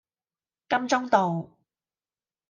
金鐘道